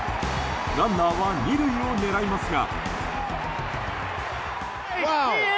ランナーは２塁を狙いますが。